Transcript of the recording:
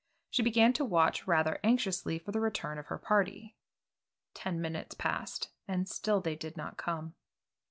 She began to watch rather anxiously for the return of her party. Ten minutes passed, and still they did not come.